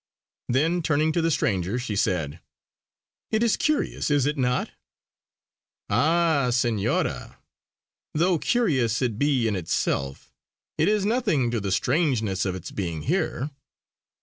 Then turning to the stranger she said: "It is curious is it not?" "Ah, Senora, though curious it be in itself, it is nothing to the strangeness of its being here.